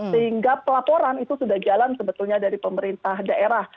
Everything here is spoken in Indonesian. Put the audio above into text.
sehingga pelaporan itu sudah jalan sebetulnya dari pemerintah daerah